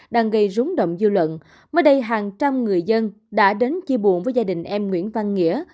đang gây rúng động dư luận mới đây hàng trăm người dân đã đến chia buồn với gia đình em nguyễn văn nghĩa